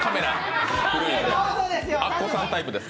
アッコさんタイプですか。